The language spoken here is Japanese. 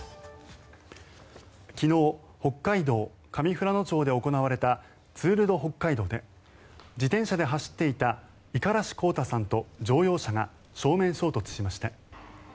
昨日、北海道上富良野町で行われたツール・ド・北海道で自転車で走っていた五十嵐洸太さんと乗用車が正面衝突しました。